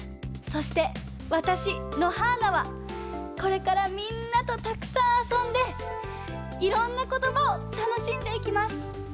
そしてわたしのはーなはこれからみんなとたくさんあそんでいろんなことばをたのしんでいきます。